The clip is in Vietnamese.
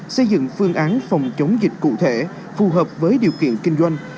xây dựng phương án phòng chống dịch cụ thể phù hợp với điều kiện kinh doanh